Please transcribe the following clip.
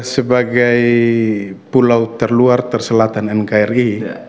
sebagai pulau terluar terselatan nkri